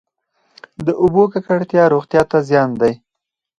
د اوبو ککړتیا روغتیا ته زیان دی.